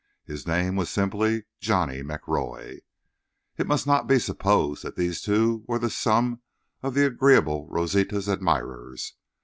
His name was simply Johnny McRoy. It must not be supposed that these two were the sum of the agreeable Rosita's admirers.